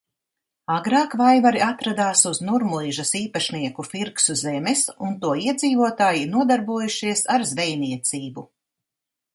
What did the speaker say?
Agrāk Vaivari atradās uz Nurmuižas īpašnieku Firksu zemes un to iedzīvotāji nodarbojušies ar zvejniecību.